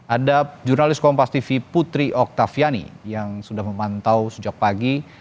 ada jurnalis kompas tv putri oktaviani yang sudah memantau sejak pagi